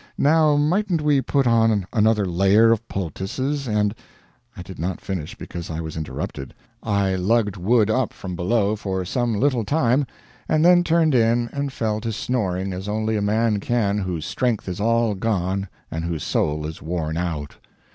Now mightn't we put on another layer of poultices and " I did not finish, because I was interrupted. I lugged wood up from below for some little time, and then turned in and fell to snoring as only a man can whose strength is all gone and whose soul is worn out.